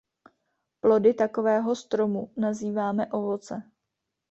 Plody takového stromu nazýváme ovoce.